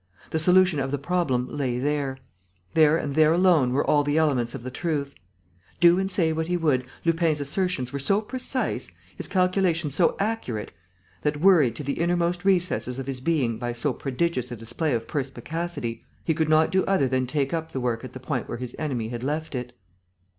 The solution of the problem lay there. There and there alone were all the elements of the truth. Do and say what he would, Lupin's assertions were so precise, his calculations so accurate, that, worried to the innermost recesses of his being by so prodigious a display of perspicacity, he could not do other than take up the work at the point where his enemy had left it.